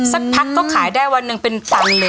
สักพักก็ขายได้วันหนึ่งเป็นตันเลย